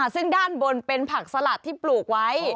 ซึ่งด้านบนเป็นผักสลัดที่ปลูกไว้